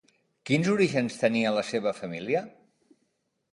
Quins orígens tenia la seva família?